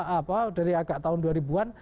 apa dari agak tahun dua ribu an